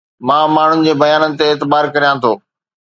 مان ماڻهن جي بيانن تي اعتبار ڪريان ٿو